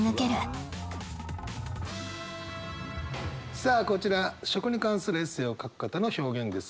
さあこちら食に関するエッセイを書く方の表現ですが。